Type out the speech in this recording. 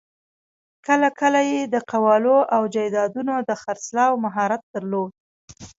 کله کله یې د قوالو او جایدادونو د خرڅلاوو مهارت درلود.